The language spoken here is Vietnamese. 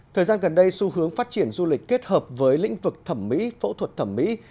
thời gian gần đây xu hướng phát triển du lịch kết hợp với lĩnh vực thẩm mỹ phẫu thuật thẩm mỹ